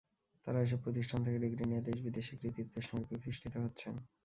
তাঁরা এসব প্রতিষ্ঠান থেকে ডিগ্রি নিয়ে দেশ-বিদেশে কৃতিত্বের সঙ্গে প্রতিষ্ঠিত হচ্ছেন।